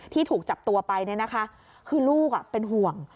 ที่ถูกจับตัวไปคือลูกเป็นห่วง